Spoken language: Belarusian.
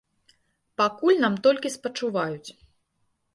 Пакуль нам толькі спачуваюць.